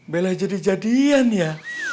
belah jadi jadian ya